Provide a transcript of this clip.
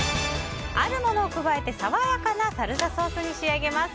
あるものを加えて爽やかなサルサソースに仕上げます。